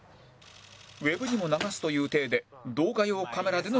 ウェブにも流すという体で動画用カメラでの撮影も